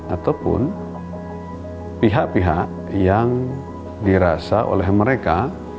ataupun pihak pihak yang dirasa oleh mereka